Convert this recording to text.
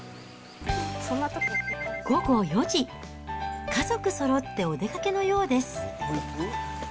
午後４時、家族そろってお出かけのようです。